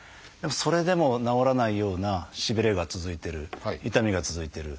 それでも治らないようなしびれが続いてる痛みが続いてる。